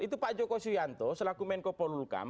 itu pak joko suyanto selaku menko polukam